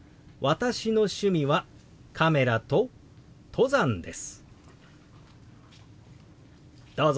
私の趣味はカメラと登山です。